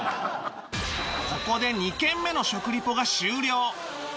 ここで２軒目の食リポが終了